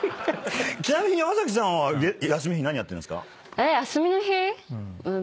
ちなみに山崎さんは休みの日何やってんですか？